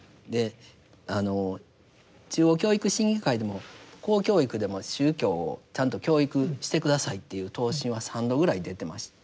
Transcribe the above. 中央教育審議会でも公教育でも宗教をちゃんと教育して下さいという答申は３度ぐらい出てました。